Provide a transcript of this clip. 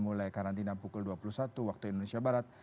mulai karantina pukul dua puluh satu waktu indonesia barat